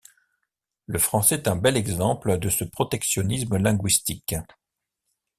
Le français est un bel exemple de ce protectionnisme linguistique.